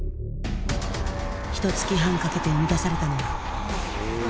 ひとつき半かけて生み出されたのは。